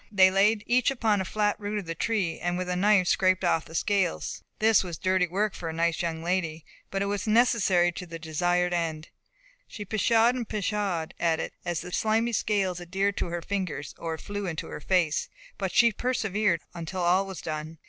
They laid each upon a flat root of the tree, and with a knife scraped off the scales. This was dirty work for a nice young lady, but it was necessary to the desired end. She pshawed and pshawed at it as the slimy scales adhered to her fingers, or flew into her face, but she persevered until all was done.